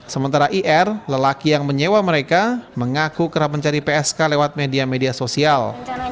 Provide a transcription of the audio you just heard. sementara ir lelaki yang menyewa mereka mengaku kerap mencari psk lewat media media sosial